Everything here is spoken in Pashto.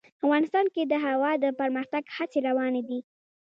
افغانستان کې د هوا د پرمختګ هڅې روانې دي.